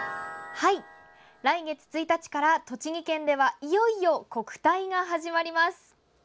来月１日から栃木県ではいよいよ国体が始まります。